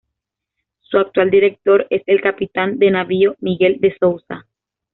Su actual director es el Capitán de Navío Miguel De Souza.